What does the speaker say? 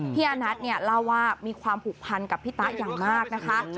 อานัทเนี่ยเล่าว่ามีความผูกพันกับพี่ตะอย่างมากนะคะ